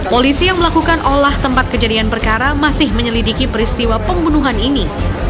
polisi yang melakukan olah tempat kejadian perkara masih menyelidiki peristiwa pembunuhan ini